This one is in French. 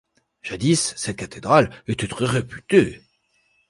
Jadis, cette cathédrale était très réputée.